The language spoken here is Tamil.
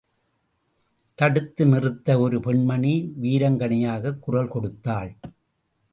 தடுத்து நிறுத்த ஒரு பெண்மணி வீராங்கனையாகக் குரல் கொடுத்தாள்.